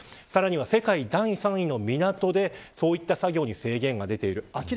さらには世界第３位の港でそういった作業に制限が出ています。